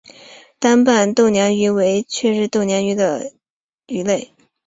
单斑豆娘鱼为雀鲷科豆娘鱼属的鱼类。